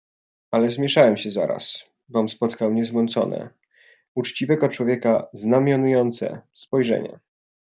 "Ale zmieszałem się zaraz, bom spotkał niezmącone, uczciwego człowieka znamionujące, spojrzenie."